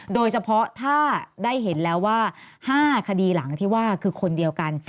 โดยเฉพาะถ้าได้เห็นแล้วว่า๕คดีหลังที่ว่าคือคนเดียวกัน